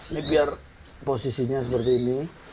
ini biar posisinya seperti ini